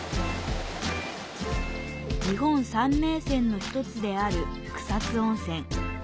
「日本三名泉」の１つである草津温泉。